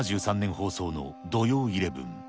放送の土曜イレブン。